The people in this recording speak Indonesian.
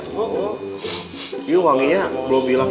ini wanginya belum hilang